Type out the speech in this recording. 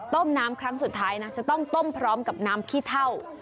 ต้มน้ำครั้งสุดท้ายนะจะต้องต้มพร้อมกับน้ำขี้เท่า